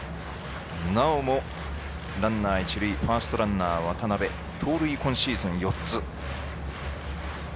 なおもランナー、一塁ファーストランナー渡邉盗塁今シーズン４つ。